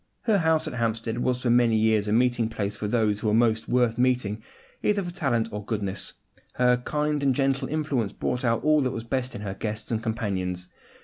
Her house at Hampstead was for many years a meeting place for those who were most worth meeting, either for talent or goodness; her kindly and gentle influence brought out all that was best in her guests and companions.